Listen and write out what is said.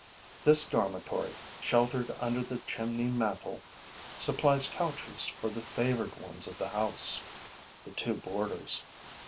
This dormitory, sheltered under the chimney mantel, supplies couches for the favored ones of the house, the two boarders.